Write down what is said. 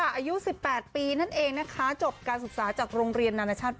อายุ๑๘ปีนั่นเองนะคะจบการศึกษาจากโรงเรียนนานาชาติ๘